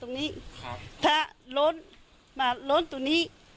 เราว่าอย่างเนี่ย